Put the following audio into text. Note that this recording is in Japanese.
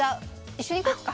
一緒に行こうか？